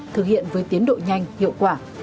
thực hiện với tiến độ nhanh hiệu quả